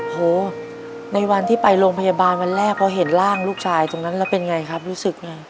โหในวันที่ไปโรงพยาบาลวันแรกพอเห็นร่างลูกชายตรงนั้นแล้วเป็นไงครับรู้สึกไง